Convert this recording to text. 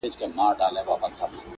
هغه اوس كډ ه وړي كا بل ته ځي~